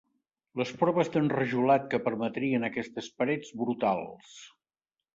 Les proves d'enrajolat que permetrien aquestes parets brutals.